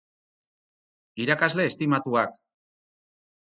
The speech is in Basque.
Irakasle estimatuak.